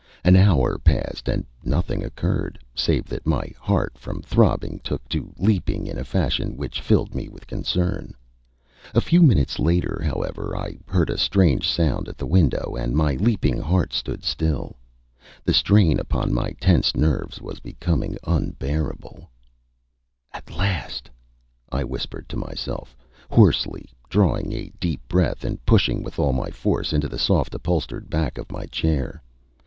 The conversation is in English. An hour passed and nothing occurred, save that my heart from throbbing took to leaping in a fashion which filled me with concern. A few minutes later, however, I heard a strange sound at the window, and my leaping heart stood still. The strain upon my tense nerves was becoming unbearable. [Illustration: "I DRAINED A GLASS OF COOKING SHERRY TO THE DREGS"] "At last!" I whispered to myself, hoarsely, drawing a deep breath, and pushing with all my force into the soft upholstered back of my chair.